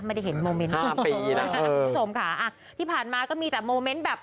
ไม่ได้เห็นโมเมนต์แบบนี้นะคะคุณผู้ชมค่ะอ่ะที่ผ่านมาก็มีแต่โมเมนต์แบบ